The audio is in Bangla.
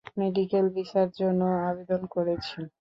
মেডিকেল ভিসার জন্যও আবেদন করেছি।